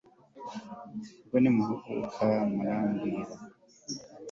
ubwo nimuhuguka murambwira